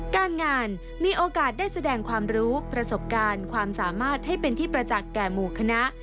การงานมีโอกาสได้แสดงความรู้ประสบการณ์ความสามารถให้เป็นที่ประจักษ์แก่หมู่คณะ